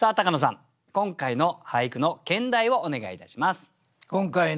今回の俳句の兼題をお願いいたします。